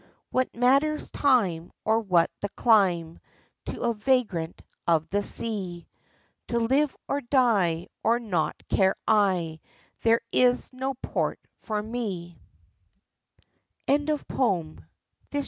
35 What matters time or what the clime To a vagrant of the sea ? To live or die, oh naught care I, There is no port for me 1 Copalis.